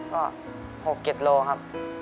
อ๋อหกเก็บโลครับ